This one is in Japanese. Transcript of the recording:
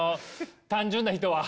単純な人は。